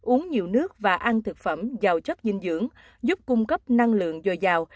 uống nhiều nước và ăn thực phẩm giàu chất dinh dưỡng giúp cung cấp năng lượng dồi dào